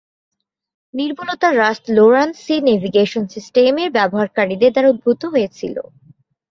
নির্ভুলতার হ্রাস লোরান-সি নেভিগেশন সিস্টেমের ব্যবহারকারীদের দ্বারা উদ্ভূত হয়েছিল।